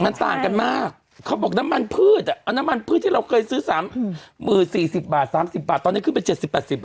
มันต่างกันมากเขาบอกน้ำมันพืชเอาน้ำมันพืชที่เราเคยซื้อ๓๐๔๐บาท๓๐บาทตอนนี้ขึ้นไป๗๐๘๐บาท